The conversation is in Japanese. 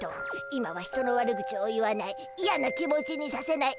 今は人の悪口を言わないいやな気持ちにさせない。